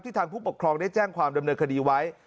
ทางผู้ปกครองได้แจ้งความดำเนินคดีไว้